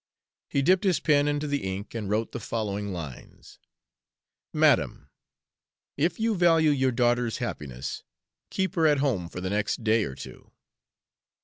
He dipped his pen into the ink and wrote the following lines: MADAM, If you value your daughter's happiness, keep her at home for the next day or two.